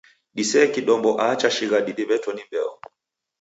Disee kidombo aa cha shighadi diw'eto ni mbeo